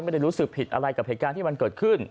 ไม่ได้รู้สึกผิดอะไรกับเหตุการณ์ที่มันเกิดขึ้น